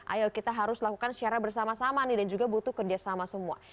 ayo kita harus lakukan secara bersama sama nih dan juga butuh kerjasama semua